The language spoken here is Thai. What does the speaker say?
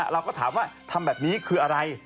เราก็ถามว่าทำแบบนี้คืออะไร